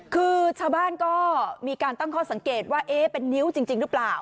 คือเฉาบ้านก็ต้องสังเกตว่าเป็นนิ้วจริงรึเปล่า